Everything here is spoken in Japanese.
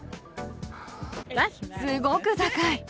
すごく高い。